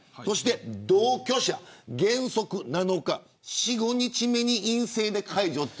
そして、同居者、原則７日４、５日目に陰性で解除。